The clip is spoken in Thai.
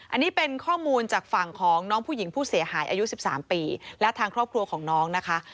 อันนี้เป็นข้อมูลจากฝั่งของน้องผู้หญิงผู้เสียหายอายุ๑๓ปีและทางครอบครัวของน้องนะคะ